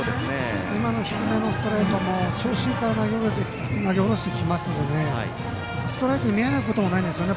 今のストレートも長身から投げ下ろしてきますのでストライクに見えなくもないですよね